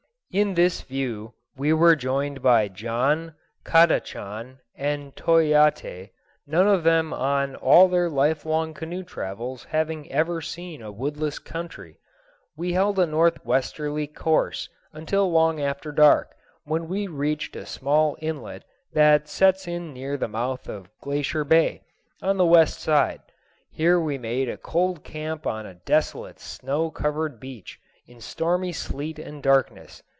In this view we were joined by John, Kadachan, and Toyatte, none of them on all their lifelong canoe travels having ever seen a woodless country. We held a northwesterly course until long after dark, when we reached a small inlet that sets in near the mouth of Glacier Bay, on the west side. Here we made a cold camp on a desolate snow covered beach in stormy sleet and darkness.